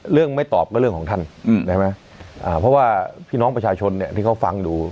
เรื่องไม่ตอบก็เรื่องของท่านเพราะว่าพี่น้องประชาชนที่เขาฟังดู